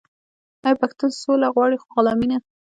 آیا پښتون سوله غواړي خو غلامي نه؟